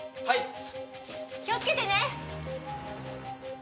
はい。